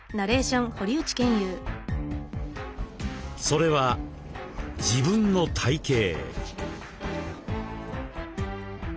それは自分の体形。